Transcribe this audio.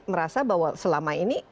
merasa bahwa selama ini